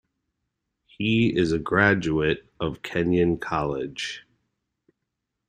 He is a graduate of Kenyon College.